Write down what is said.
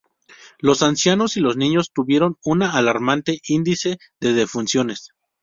Los ancianos y los niños tuvieron una alarmante índice de defunciones.